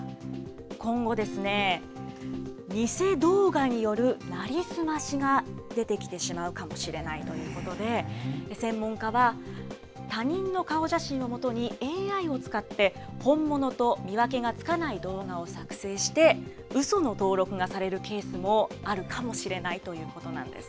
今後ですね、偽動画によるなりすましが出てきてしまうかもしれないということで、専門家は、他人の顔写真を基に、ＡＩを使って、本物と見分けがつかない動画を作成して、うその登録がされるケースもあるかもしれないということなんです。